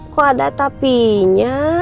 kok ada tapi nya